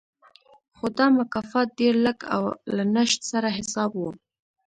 خو دا مکافات ډېر لږ او له نشت سره حساب و